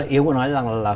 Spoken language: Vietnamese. yếu cũng nói rằng là